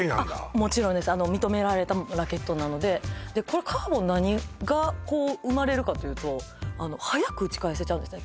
もちろんです認められたラケットなのでこれカーボン何が生まれるかというと速く打ち返せちゃうんですね